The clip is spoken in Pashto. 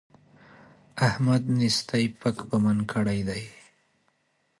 احمد نېستۍ پک پمن کړی دی.